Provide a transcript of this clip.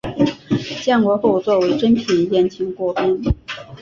建国后作为珍品宴请国宾。